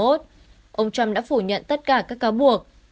ông trump đã phủ nhận tất cả các cáo buộc